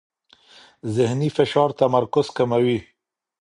ذهني فشار تمرکز کموي.